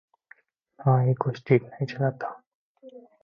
They divorced after sixteen years.